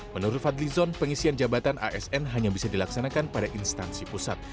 menurut fadlizon pengisian jabatan asn hanya bisa dilaksanakan pada instansi pusat